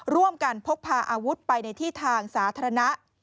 ร่วมกันพกพาอาวุธไปในที่ทางสาธารณะ